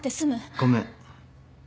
ごめん。